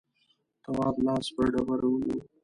تواب لاس پر ډبره ونيو.